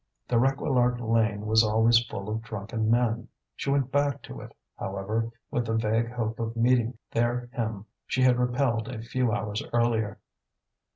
The Réquillart lane was always full of drunken men; she went back to it, however, with the vague hope of meeting there him she had repelled a few hours earlier.